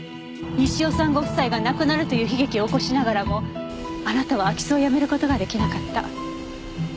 西尾さんご夫妻が亡くなるという悲劇を起こしながらもあなたは空き巣をやめる事が出来なかった。